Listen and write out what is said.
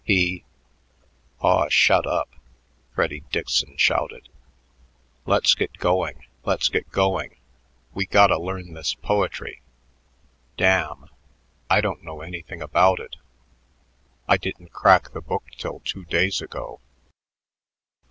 He " "Aw, shut up!" Freddy Dickson shouted. "Let's get going; let's get going. We gotta learn this poetry. Damn! I don't know anything about it. I didn't crack the book till two days ago."